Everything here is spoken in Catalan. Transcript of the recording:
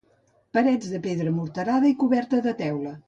Parets de pedra morterada i coberta de teula.